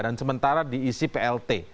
dan sementara diisi plt